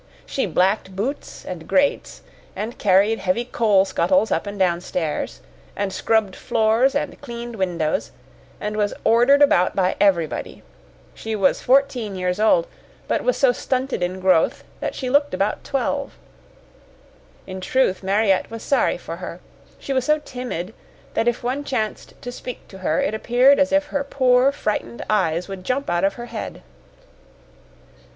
She blacked boots and grates, and carried heavy coal scuttles up and down stairs, and scrubbed floors and cleaned windows, and was ordered about by everybody. She was fourteen years old, but was so stunted in growth that she looked about twelve. In truth, Mariette was sorry for her. She was so timid that if one chanced to speak to her it appeared as if her poor, frightened eyes would jump out of her head.